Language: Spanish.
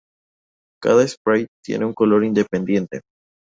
Cada "sprite" tiene un color independiente.